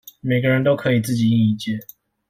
每個人都可以自己印一件